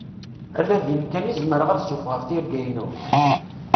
Ala din kan i zemreɣ ad ssufɣaɣ tirga-ynu?